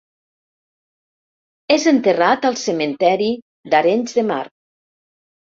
És enterrat al Cementiri d'Arenys de Mar.